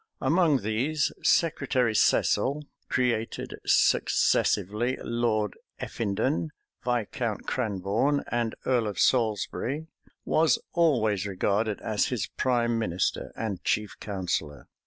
Among these, Secretary Cecil, created successively Lord Effindon, Viscount Cranborne, and earl of Salisbury, was always regarded as his prime minister and chief counsellor.